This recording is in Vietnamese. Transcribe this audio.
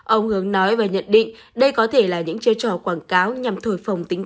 ông hướng nói và nhận định đây có thể là những chơi trò quảng cáo nhằm thổi phồng tính